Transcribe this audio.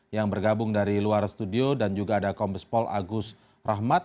yang bergabung dari luar studio dan juga ada kombespol agus rahmat